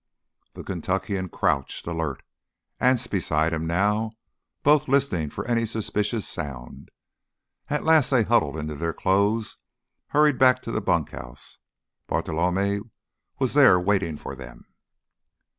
The Kentuckian crouched, alert, Anse beside him now, both listening for any suspicious sound. At last they huddled into their clothes, hurried back to the bunkhouse. Bartolomé was there waiting for them.